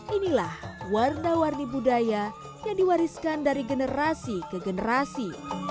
inilah warna warni budaya yang diwariskan dari generasi ke generasi